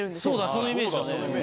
そうだそのイメージだね。